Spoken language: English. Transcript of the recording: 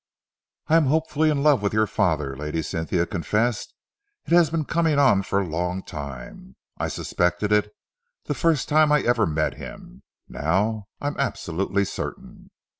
"I am hopefully in love with your father," Lady Cynthia confessed. "It has been coming on for a long time. I suspected it the first time I ever met him. Now I am absolutely certain."